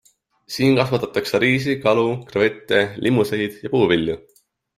Siin kasvatatakse riisi, kalu, krevette, limuseid ja puuvilju.